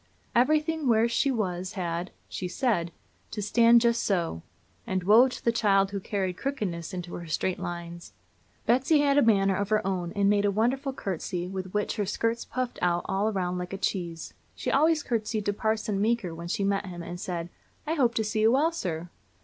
Everything where she was had, she said, to "stand just so;" and woe to the child who carried crookedness into her straight lines! Betsy had a manner of her own, and made a wonderful kind of a courtesy, with which her skirts puffed out all around like a cheese. She always courtesied to Parson Meeker when she met him, and said: "I hope to see you well, sir."